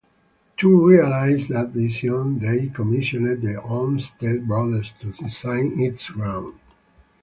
To realize that vision, they commissioned the Olmsted Brothers to design its grounds.